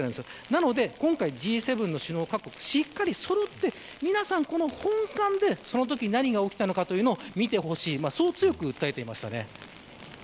なので今回Ｇ７各国首脳がしっかりそろって皆さんこの本館で、そのとき何が起きたのかというのを見てほしいそう強く訴えていました。